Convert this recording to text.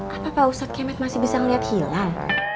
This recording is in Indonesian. apa pak ustadz kemet masih bisa ngeliat hilal